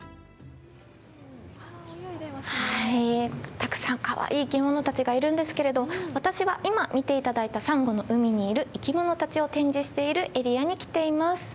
たくさんかわいい生き物たちがいるんですけれど私は今見ていただいたサンゴの海にいる生き物たちを展示しているエリアに来ています。